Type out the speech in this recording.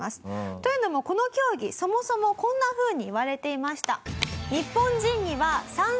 というのもこの競技そもそもこんなふうにいわれていました。